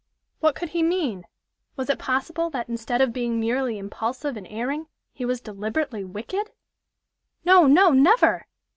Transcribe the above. What could he mean? Was it possible that instead of being merely impulsive and erring, he was deliberately wicked? No, no, never!